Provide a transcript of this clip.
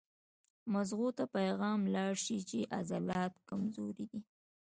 مزغو ته پېغام لاړ شي چې عضلات کمزوري دي